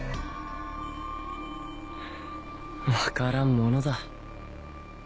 分からんものだ。